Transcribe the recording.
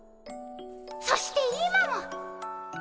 そして今も。